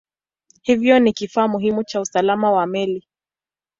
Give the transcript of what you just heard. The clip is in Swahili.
Hivyo ni kifaa muhimu cha usalama wa meli.